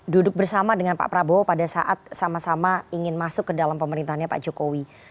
duduk bersama dengan pak prabowo pada saat sama sama ingin masuk ke dalam pemerintahnya pak jokowi